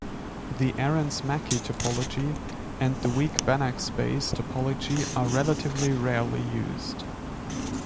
The Arens-Mackey topology and the weak Banach space topology are relatively rarely used.